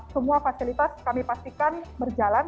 semua fasilitas kami pastikan berjalan